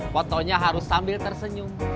fotonya harus sambil tersenyumb